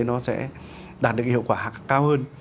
nó sẽ đạt được hiệu quả cao hơn